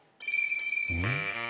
うん？